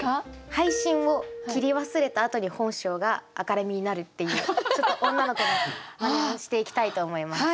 配信を切り忘れた後に本性が明るみになるっていうちょっと女の子のまねをしていきたいと思います。